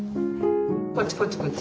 こっちこっちこっち。